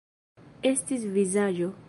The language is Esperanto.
Estis vizaĝo.